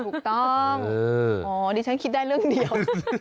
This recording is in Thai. ถูกต้องอ๋อดิฉันคิดได้เรื่องเดียว